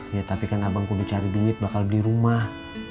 ya tapi kan abang kudu cari duit bakal beli rumah